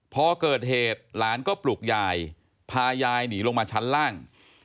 พอเกิดเหตุหลานก็ปลุกยายพายายหนีลงมาชั้นล่าง